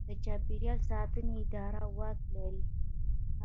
د چاپیریال ساتنې اداره واک لري؟